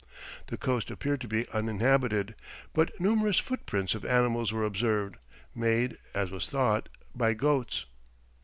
The coast appeared to be uninhabited, but numerous footprints of animals were observed, made, as was thought, by goats.